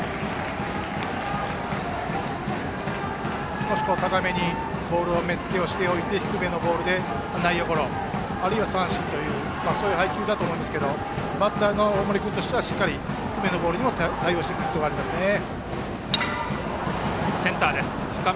少し高めのボールで目付けをしておいて低めのボールで内野ゴロあるいは三振という配球だと思いますけどバッターの大森君としてはしっかり、低めのボールにも対応する必要がありますね。